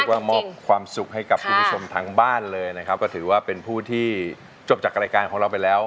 ก็มอบความสุขให้กับคุณผู้ชมทางบ้านเลยนะครับก็ถือว่าเป็นผู้ที่จบจากรายการของเราไปแล้ว